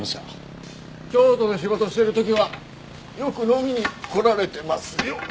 京都で仕事してる時はよく飲みに来られてますよ。